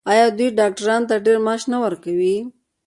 آیا دوی ډاکټرانو ته ډیر معاش نه ورکوي؟